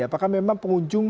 apakah memang pengunjungnya